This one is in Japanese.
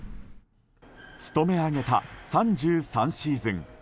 勤め上げた３３シーズン。